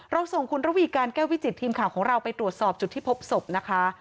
ส่งคุณระวีการแก้ววิจิตทีมข่าวของเราไปตรวจสอบจุดที่พบศพนะคะ